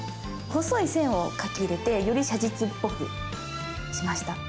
細い線を描き入れてより写実っぽくしました。